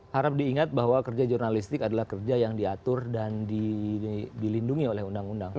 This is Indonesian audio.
harap diingat bahwa kerja jurnalistik adalah kerja yang diatur dan dilindungi oleh undang undang